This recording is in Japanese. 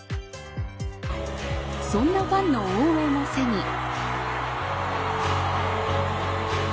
そんなファンの応援を背に。